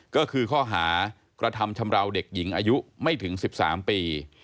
ก็คือข้อหากระทำชำราวเด็กหญิงอายุไม่ถึง๑๓ปี